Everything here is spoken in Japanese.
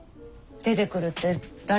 出てくるって誰が？